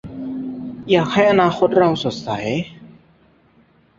อยากให้อนาคตเราสดใส